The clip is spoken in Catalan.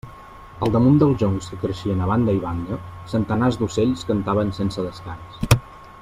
Al damunt dels joncs que creixien a banda i banda, centenars d'ocells cantaven sense descans.